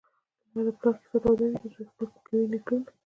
لا د پلار کیسه توده وي چي زوی خپل کوي نکلونه